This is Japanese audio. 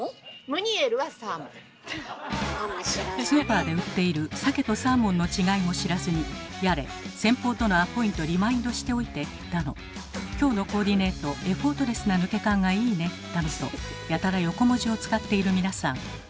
スーパーで売っている鮭とサーモンの違いも知らずにやれ「先方とのアポイントリマインドしておいて」だの「今日のコーディネートエフォートレスな抜け感がいいね」だのとやたら横文字を使っている皆さん。